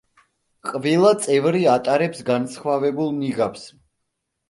ყველა წევრი ატარებს განსხვავებულ ნიღაბს.